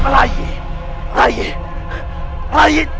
rai rai rai